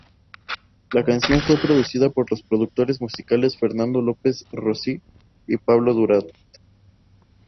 La canción fue producida por los productores musicales Fernando López Rossi y Pablo Durand.